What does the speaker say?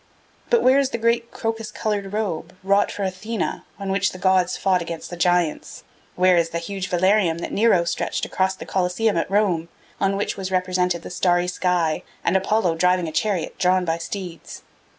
But where is the great crocus coloured robe, wrought for Athena, on which the gods fought against the giants? Where is the huge velarium that Nero stretched across the Colosseum at Rome, on which was represented the starry sky, and Apollo driving a chariot drawn by steeds?